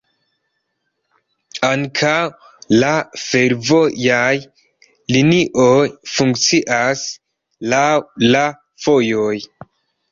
Ankaŭ la fervojaj linioj funkcias laŭ la vojoj.